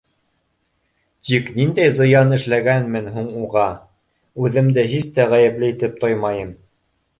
Тик ниндәй зыян эшләгәнмен һуң уға? Үҙемде һис тә ғәйепле итеп тоймайым.